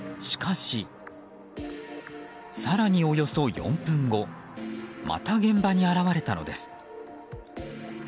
しかし更におよそ４分後また現場に現れたのです。